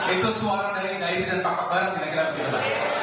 itu suara dari dairi dan pak akbar kira kira begitu